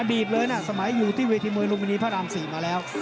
ตั้งแต่อดีตเลยน้ะสมายูที่วีตีมวยลุมินีพระราม๔มาแล้ว